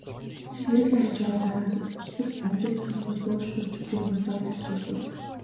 Эхнэрийнхээ хажуугаар дарга их л ундууцангуй дуу шуу ч үгүй мордоод арилж өглөө.